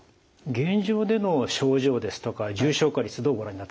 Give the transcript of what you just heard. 現状での症状ですとか重症化率どうご覧になってますか？